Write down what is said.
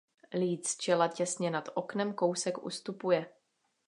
Líc čela těsně nad oknem o kousek ustupuje.